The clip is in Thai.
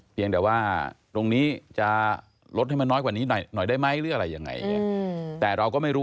เพียงแต่ว่าตรงนี้จะลดให้มันน้อยกว่านี้หน่อยได้ไหม